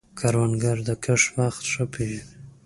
کروندګر د کښت وخت ښه پېژني